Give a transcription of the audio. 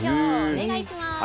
お願いします。